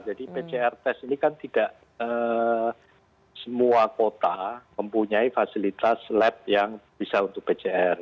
jadi pcr test ini kan tidak semua kota mempunyai fasilitas lab yang bisa untuk pcr